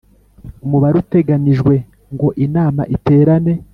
Umubare uteganijwe ngo inama iterane